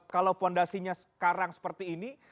kalau fondasinya sekarang seperti ini